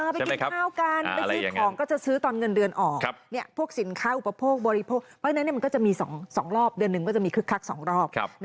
ไปกินข้าวกันไปซื้อของก็จะซื้อตอนเงินเดือนออกพวกสินค้าอุปโภคบริโภคเพราะฉะนั้นมันก็จะมี๒รอบเดือนหนึ่งก็จะมีคึกคัก๒รอบ